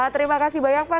terima kasih banyak pak